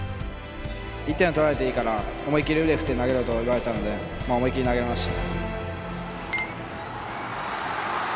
１点は取られていいから思い切り腕振って投げろと言われたので思い切り投げました。